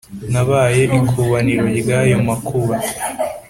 nabaye ikubaniro ry’ayo makuba